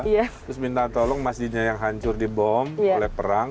terus minta tolong masjidnya yang hancur dibom oleh perang